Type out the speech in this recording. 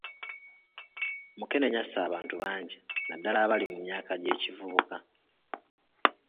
Mukenenya asse abantu bangi naddala abali mu myaka gy’ekivubuka.